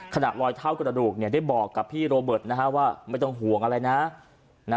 ขณะลอยเท่ากระดูกได้บอกกับพี่โรเบิร์ตว่าไม่ต้องห่วงอะไรนะ